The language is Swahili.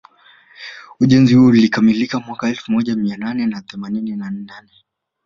Ujenzi huo ulikamilika mwaka elfu moja mia nane na themanini na nane